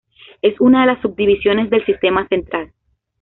Es una de las subdivisiones del Sistema Central.